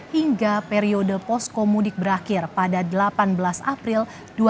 hingga periode poskomudik berakhir pada delapan belas april dua ribu dua puluh